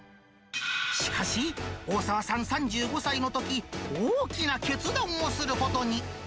しかし、大澤さん３５歳のとき、大きな決断をすることに。